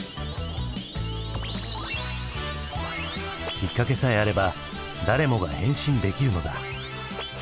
きっかけさえあれば誰もが変身できるのだ。